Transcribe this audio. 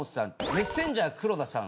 メッセンジャー黒田さん